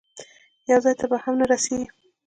یو ځای ته به هم نه رسېږي.